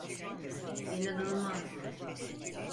İnanılmaz!